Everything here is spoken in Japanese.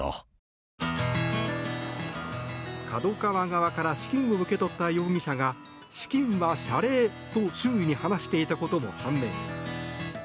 ＫＡＤＯＫＡＷＡ側から資金を受け取った容疑者が資金は謝礼と周囲に話していたことも判明。